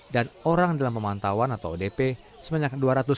dan orang dalam pemantauan atau odp sebanyak dua ratus enam puluh satu